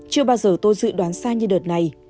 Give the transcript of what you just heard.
chưa bao giờ tôi dự đoán sai như đợt này